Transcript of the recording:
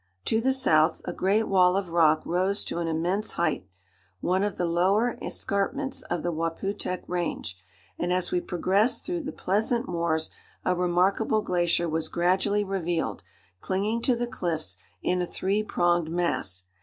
To the south, a great wall of rock rose to an immense height, one of the lower escarpments of the Waputehk Range, and as we progressed through the pleasant moors a remarkable glacier was gradually revealed, clinging to the cliffs in a three pronged mass.